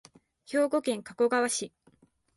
兵庫県加古川市